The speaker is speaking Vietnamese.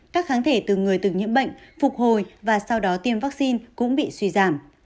các kháng thể từ người từng nhiễm bệnh phục hồi và sau đó tiêm vaccine cũng bị suy giảm